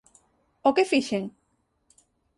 O que fixen?